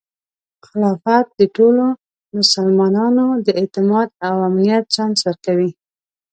خلافت د ټولو مسلمانانو د اعتماد او امنیت چانس ورکوي.